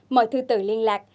mời thư tử liên lạc